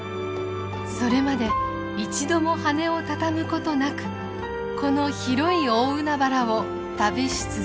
それまで一度も羽をたたむことなくこの広い大海原を旅し続けます。